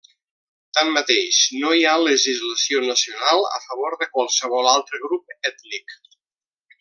Tanmateix, no hi ha legislació nacional a favor de qualsevol altre grup ètnic.